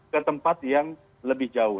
ke tempat yang lebih jauh